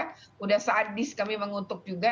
sudah sadis kami mengutuk juga